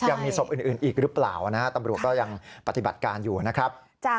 ยังมีศพอื่นอีกหรือเปล่านะฮะตำรวจก็ยังปฏิบัติการอยู่นะครับ